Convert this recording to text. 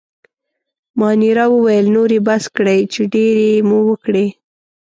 مانیرا وویل: نور يې بس کړئ، چې ډېرې مو وکړې.